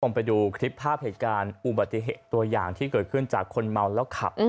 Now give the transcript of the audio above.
ไปดูคลิปภาพเหตุการณ์อุบัติเหตุตัวอย่างที่เกิดขึ้นจากคนเมาแล้วขับ